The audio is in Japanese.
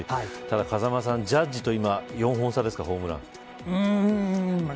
ただ風間さん、ジャッジと今４本差ですが、ホームラン。